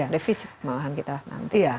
devisi malahan kita nanti